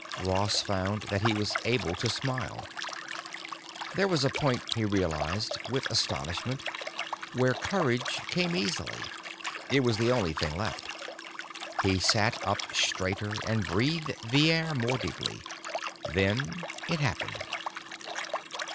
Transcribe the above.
Ross found that he was able to smile. There was a point, he realized with astonishment, where courage came easily; it was the only thing left. He sat up straighter and breathed the air more deeply. Then it happened.